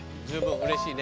うれしい。